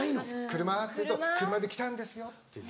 「車ぁ」って言うと「車で来たんですよ」っていう。